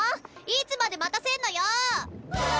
いつまで待たせんのよ！